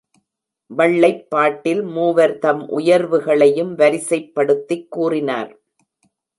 வள்ளைப் பாட்டில் மூவர்தம் உயர்வுகளையும் வரிசைப் படுத்திக் கூறினர்.